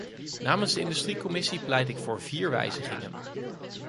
Namens de industriecommissie pleit ik voor vier wijzigingen.